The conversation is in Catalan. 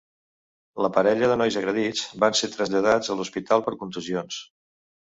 La parella de nois agredits van ser traslladats a l’hospital per contusions.